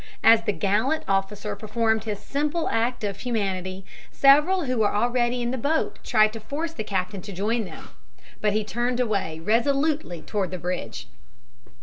As the gallant, officer performed his simple act of humanity several who were already in the boat tried to force the captain to join them, but he turned away resolutely toward the bridge.